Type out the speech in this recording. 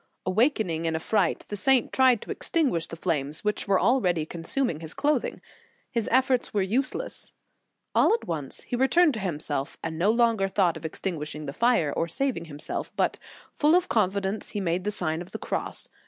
Awakening in a fright, the Saint tried to extinguish the * Vit. lib. iii. f Act. S. Scbast. In the Nineteenth Century. 179 flames, which were already consuming his clothing. His efforts were useless. All at once he returned to himself, and no longer thought of extinguishing the fire, or saving himself, but, full of confidence, he made the Sign of the Cross.